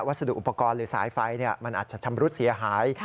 สดุอุปกรณ์หรือสายไฟมันอาจจะชำรุดเสียหาย